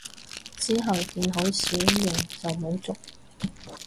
之後見都好少用就冇續